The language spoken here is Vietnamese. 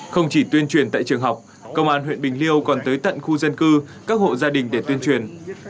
không chỉ tuyên truyền tại trường học công an huyện bình liêu còn tới tận khu dân cư các hộ gia đình để tuyên truyền